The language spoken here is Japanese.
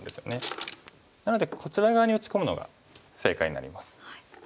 なのでこちら側に打ち込むのが正解になります。